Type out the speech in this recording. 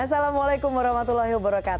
assalamualaikum wr wb